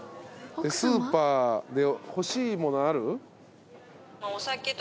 スーパーで欲しいものある？